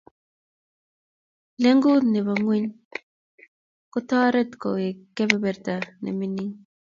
Lengut nebo ngweny kotoret kowek kebeberta ne mingin.